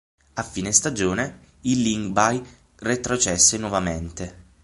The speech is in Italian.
A fine stagione, il Lyngby retrocesse nuovamente.